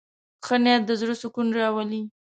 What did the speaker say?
ښه نیت د زړه سکون راولي.